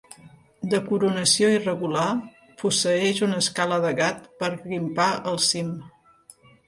De coronació irregular, posseeix una escala de gat per grimpar al cim.